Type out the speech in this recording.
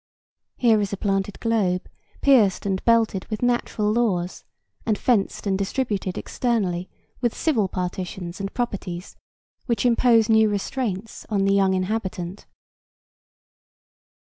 Here is a planted globe, pierced and belted with natural laws and fenced and distributed externally with civil partitions and properties which impose new restraints on the young inhabitant.